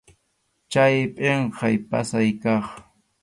Chay pʼinqay pasay kaq.